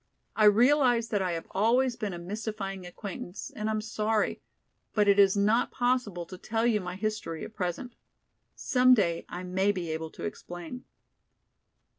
I realize that I have always been a mystifying acquaintance and I'm sorry, but it is not possible to tell you my history at present. Some day I may be able to explain."